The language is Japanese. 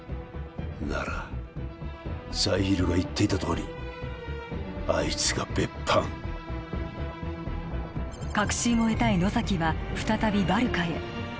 ならザイールが言っていたとおりあいつが別班確信を得たい野崎は再びバルカへ